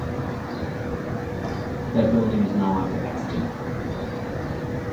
That building is no longer extant.